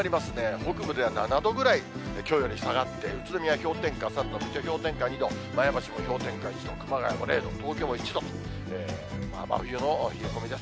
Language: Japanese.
北部では７度ぐらいきょうより下がって、宇都宮氷点下３度、水戸氷点下２度、前橋も氷点下１度、熊谷も０度、東京も１度と、真冬の冷え込みです。